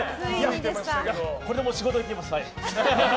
これでもう仕事行けます。